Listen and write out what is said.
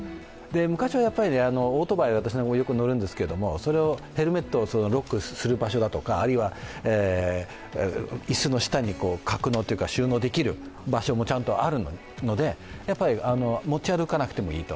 昔は、オートバイ、私もよく乗るんですけど、それをヘルメットをロックする場所だとか、椅子の下に収納できる場所もちゃんとあるので、持ち歩かなくてもいいと。